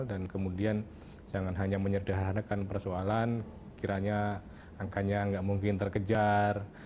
dan kemudian jangan hanya menyedarkan persoalan kiranya angkanya tidak mungkin terkejar